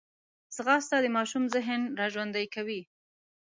ځغاسته د ماشوم ذهن راژوندی کوي